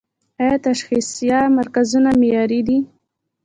آیا تشخیصیه مرکزونه معیاري دي؟